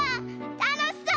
たのしそう！